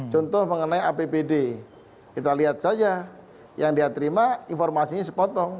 contoh mengenai apbd kita lihat saja yang dia terima informasinya sepotong